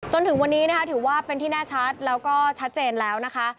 จนถึงวันนี้นะคะถือว่าเป็นที่แน่ชัดแล้วก็ชัดเจนแล้วนะคะ